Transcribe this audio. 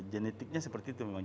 genetiknya seperti itu memang